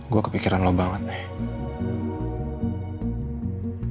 gue kepikiran lo banget eh